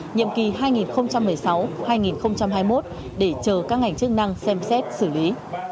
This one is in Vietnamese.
nhiệm kỳ hai nghìn một mươi sáu hai nghìn hai mươi một để chờ các ngành chức năng xem xét xử lý